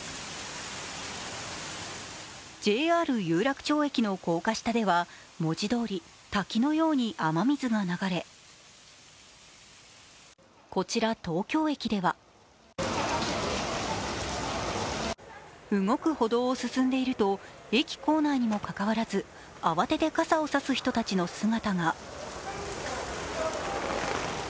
ＪＲ有楽町駅の高架下では、文字どおり滝のように雨水が流れこちら東京駅では動く歩道を進んでいると、駅構内にもかかわらず、慌てて傘を差す人たちの姿が。